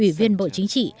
ủy viên bộ chính trị